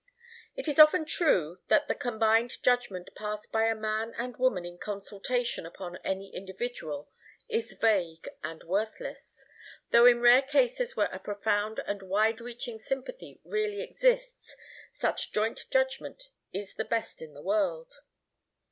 It is often true that the combined judgment passed by a man and woman in consultation upon any individual is vague and worthless, though in rare cases where a profound and wide reaching sympathy really exists, such joint judgment is the best in the world.